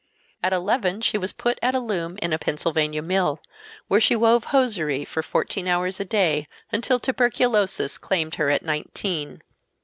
At eleven she was put at a loom in a Pennsylvania mill, where she wove hosiery for fourteen hours a day until tuberculosis claimed her at nineteen.